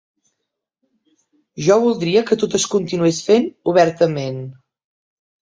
Jo voldria que tot es continués fent obertament.